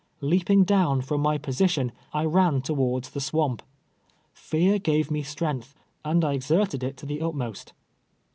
Leap ing down from my position, I ran towards the swamp. Fear gave me strength, and I exerted it to the ntmost.